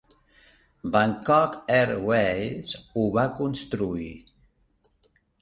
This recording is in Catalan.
Bangkok Airways ho va construir.